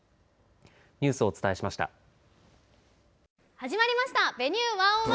始まりました「Ｖｅｎｕｅ１０１」